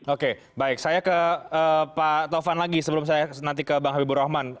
oke baik saya ke pak taufan lagi sebelum saya nanti ke bang habibur rahman